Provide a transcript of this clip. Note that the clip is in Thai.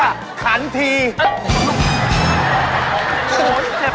มันจะขันทียังไง